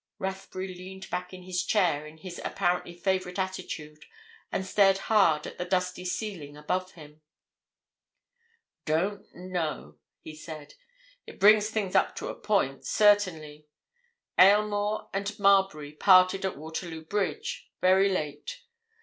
Rathbury leaned back in his chair in his apparently favourite attitude and stared hard at the dusty ceiling above him. "Don't know," he said. "It brings things up to a point, certainly. Aylmore and Marbury parted at Waterloo Bridge—very late.